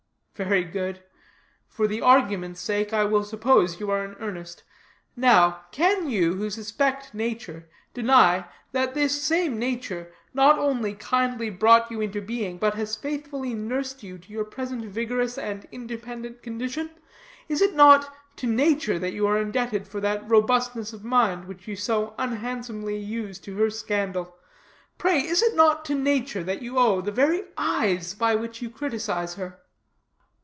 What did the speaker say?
"Very good. For the argument's sake I will suppose you are in earnest. Now, can you, who suspect nature, deny, that this same nature not only kindly brought you into being, but has faithfully nursed you to your present vigorous and independent condition? Is it not to nature that you are indebted for that robustness of mind which you so unhandsomely use to her scandal? Pray, is it not to nature that you owe the very eyes by which you criticise her?"